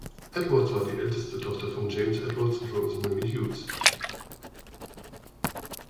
Edwards war die älteste Tochter von James Edwards und Rosemary Hughes.